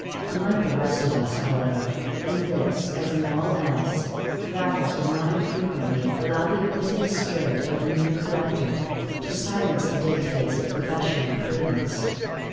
Unlike the rest of us, however, in this as in all else, Raffles would not infrequently allow the acquisitive spirit of the mere collector to silence the dictates of professional prudence.